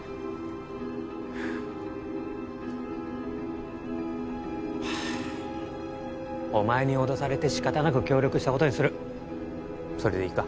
はあはあお前に脅されて仕方なく協力したことにするそれでいいか？